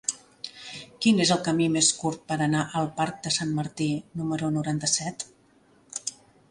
Quin és el camí més curt per anar al parc de Sant Martí número noranta-set?